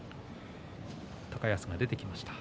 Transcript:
高安が出てきました。